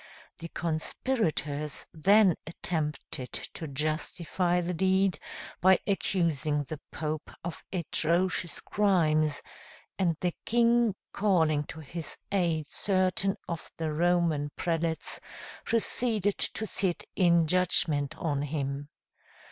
The conspirators then attempted to justify the deed, by accusing the Pope of atrocious crimes; and the king calling to his aid certain of the Roman prelates, proceeded to sit in judgment on him.